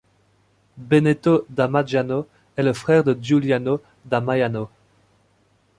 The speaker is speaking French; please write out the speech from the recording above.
Benedetto da Majano est le frère de Giuliano da Maiano.